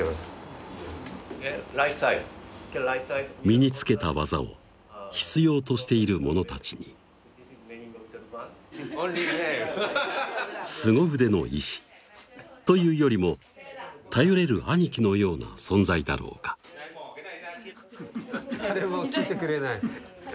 身につけたワザを必要としている者たちにすご腕の医師というよりも頼れる兄貴のような存在だろうか誰も聞いてくれない